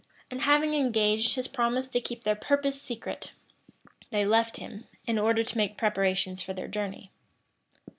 And having engaged his promise to keep their purpose secret, they left him, in order to make preparations for the journey.